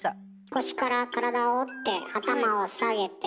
腰から体を折って頭を下げて。